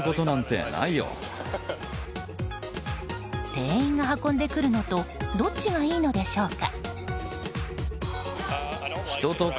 店員が運んでくるのとどっちがいいのでしょうか？